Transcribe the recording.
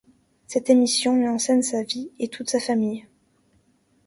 Cette émission met en scène sa vie et toute sa famille.